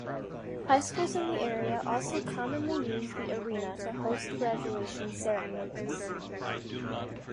High schools in the area also commonly use the arena to host graduation ceremonies.